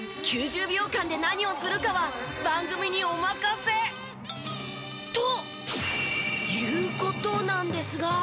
９０秒間で何をするかは番組にお任せ。という事なんですが。